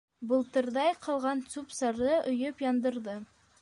Былтырҙай ҡалған сүп-сарҙы өйөп яндырҙы.